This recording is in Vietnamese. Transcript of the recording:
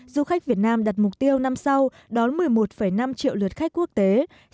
du khách việt nam đặt mục tiêu năm sau đón một mươi một năm triệu lượt khách quốc tế